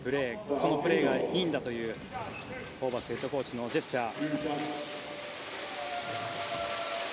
このプレーがいいんだというホーバスヘッドコーチのジェスチャー。